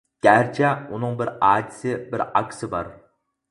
گەرچە ئۇنىڭ بىر ئاچىسى، بىر ئاكىسى بار.